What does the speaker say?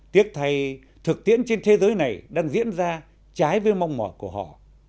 tiếc thay thực tiễn trên thế giới này đang diễn ra trái với mong mỏi của họ